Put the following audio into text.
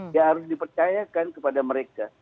ya harus dipercayakan kepada mereka